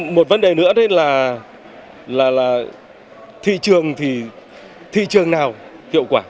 một vấn đề nữa đấy là thị trường thì thị trường nào hiệu quả